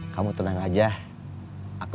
kamu tenang aja aku